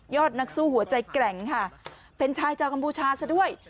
นักสู้หัวใจแกร่งค่ะเป็นชายชาวกัมพูชาซะด้วย